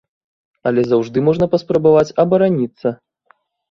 Але заўжды можна паспрабаваць абараніцца.